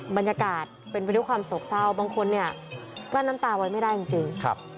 บรรยากาศเป็นไปด้วยความโศกเศร้าบางคนเนี่ยกลั้นน้ำตาไว้ไม่ได้จริง